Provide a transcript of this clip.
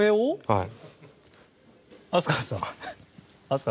はい。